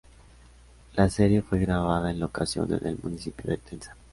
La serie fue grabada en locación en el municipio de Tenza.